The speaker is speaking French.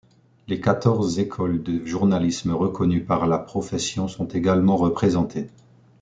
Les quatorze écoles de journalisme reconnues par la profession sont également représentées.